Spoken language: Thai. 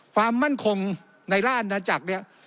ความมั่นคงในราชอาณาจักรเนี่ย